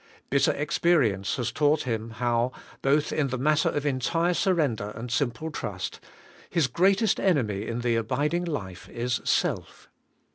Bitter experience has taught him how, both in the matter of entire surrender and simple trust, his greatest enemy in the abiding life, is SELF.